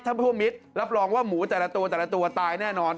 ผู้มิตรรับรองว่าหมูแต่ละตัวแต่ละตัวตายแน่นอน